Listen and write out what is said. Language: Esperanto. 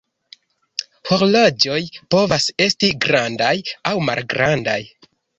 Horloĝoj povas esti grandaj aŭ malgrandaj.